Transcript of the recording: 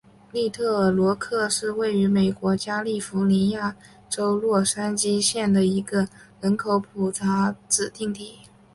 利特尔罗克是位于美国加利福尼亚州洛杉矶县的一个人口普查指定地区。